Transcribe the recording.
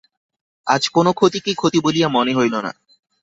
আজ কোনো ক্ষতিকেই ক্ষতি বলিয়া মনে হইল না।